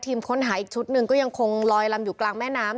ค้นหาอีกชุดหนึ่งก็ยังคงลอยลำอยู่กลางแม่น้ำ